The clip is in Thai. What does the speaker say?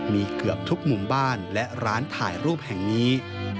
มีเกือบทุกหมู่บ้านและร้านถ่ายรูปแห่งนี้